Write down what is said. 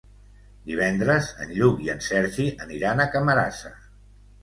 Divendres en Lluc i en Sergi aniran a Camarasa.